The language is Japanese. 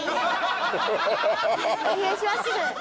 お願いします。